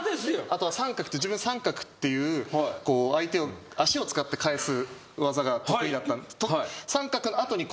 あとは三角っていう自分三角っていう相手を足を使って返す技が得意だった。